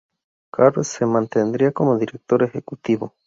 Karp se mantendría como director ejecutivo.